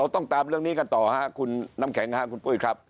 ติดตามเรื่องนี้ต่ออีกครับคุณน้ำแข็งฮะคุณพุ้ยครับ